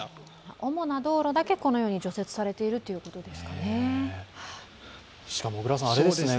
主な道路だけ、このように除雪されているということですね。